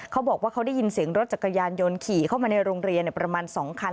เขาบอกว่าเขาได้ยินเสียงรถจักรยานยนต์ขี่เข้ามาในโรงเรียนประมาณ๒คัน